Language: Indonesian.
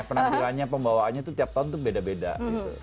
penampilannya pembawaannya tuh tiap tahun tuh beda beda gitu